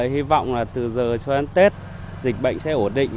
hy vọng là từ giờ cho đến tết dịch bệnh sẽ ổn định